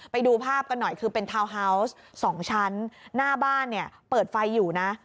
ไปดูภาพกันหน่อยคือเป็นทาวน์ฮาวส์๒ชั้นหน้าบ้านเนี่ยเปิดไฟอยู่นะ